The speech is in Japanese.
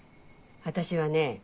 私はね